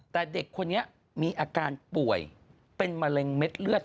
แต่เด็กคนนี้มีอาการป่วยเป็นมะเร็งเม็ดเลือด